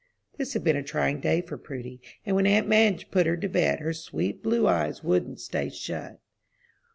This had been a trying day for Prudy, and when aunt Madge put her to bed, her sweet blue eyes wouldn't stay shut.